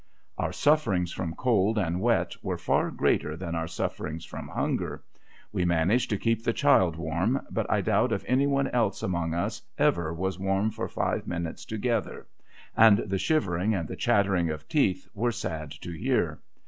Our sufferings from cold and wet were far greater than our sufferings from hunger. We managed to keep the child warm ; but, I doubt if any one else among us ever was warm for five minutes together; and the shivering, and the chattering of teeth, were sad to hear.